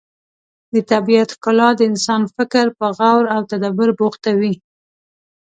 د طبیعت ښکلا د انسان فکر په غور او تدبر بوختوي.